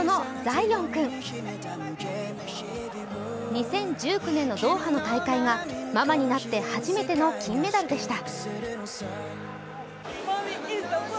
２０１９年のドーハの大会がママになって初めての金メダルでした。